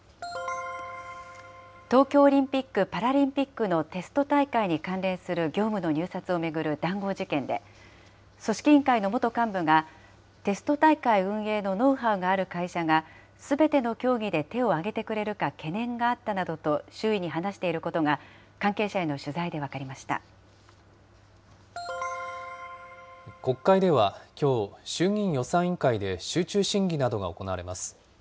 東京オリンピック・パラリンピックのテスト大会に関連する業務の入札を巡る談合事件で、組織委員会の元幹部が、テスト大会運営のノウハウがある会社がすべての競技で手を挙げてくれるか懸念があったなどと周囲に話していることが、関係者への国会では、きょう、衆議院予算委員会で集中審議などが行われます。